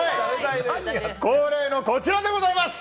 恒例のこちらでございます！